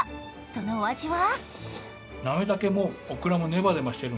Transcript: そのお味は？